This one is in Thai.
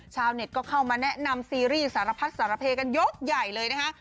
ชาวเน็ตก็เข้ามาแนะนำซีรีส์สารพัดสารเพกันยกใหญ่เลยนะคะ